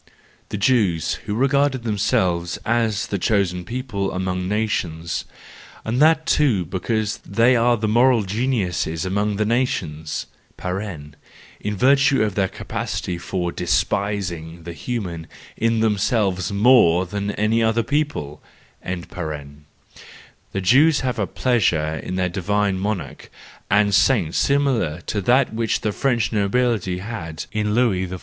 —The Jews, who regard them¬ selves as the chosen people among the nations, and that too because they are the moral genius among the nations (in virtue of their capacity for despising 176 THE JOYFUL WISDOM, III the human in themselves more than any other people)—the Jews have a pleasure in their divine monarch and saint similar to that which the French nobility had in Louis XIV.